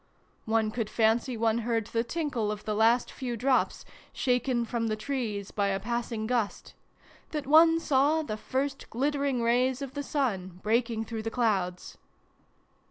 " One could fancy one heard the tinkle of the last few drops, shaken from the trees by a passing gust that one saw the first glittering rays of the sun, breaking through the clouds.